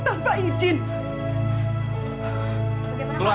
keluar keluar keluar semua keluar